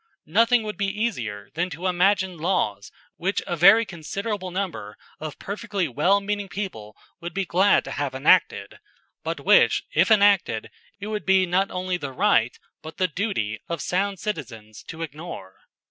Nothing would be easier than to imagine laws which a very considerable number of perfectly wellmeaning people would be glad to have enacted, but which if enacted it would be not only the right, but the duty, of sound citizens to ignore.